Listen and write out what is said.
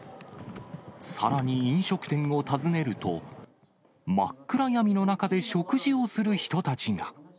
さらに飲食店を訪ねると、真っ暗闇の中で食事をする人たちが。